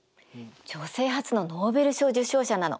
女性初のノーベル賞受賞者なの！